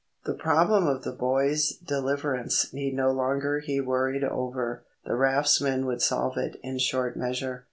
The problem of the boys' deliverance need no longer he worried over. The raftsmen would solve it in short measure.